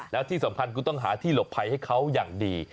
แล้วที่สำคัญคุณต้องหาที่หลบภัยให้เขาอย่างดี